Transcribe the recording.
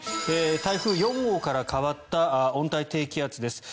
台風４号から変わった温帯低気圧です。